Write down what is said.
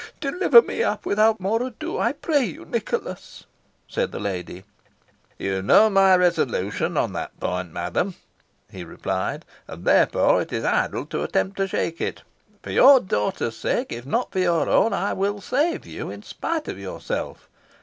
"Deliver me up without more ado, I pray you, Nicholas," said the lady. "You know my resolution on that point, madam," he replied, "and, therefore, it is idle to attempt to shake it. For your daughter's sake, if not for your own, I will save you, in spite of yourself.